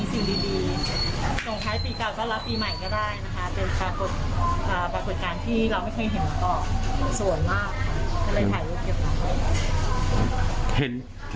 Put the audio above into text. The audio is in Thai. ส่วนมากค่ะทำไมถ่ายภาพปรากฏการณ์เช่นนี้